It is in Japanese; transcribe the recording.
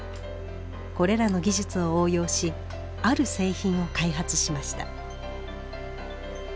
これらの技術を応用しある製品を開発しました。